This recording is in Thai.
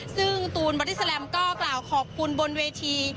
ซึ่งตูนบอดี้แลมก็กล่าวขอบคุณบนเวที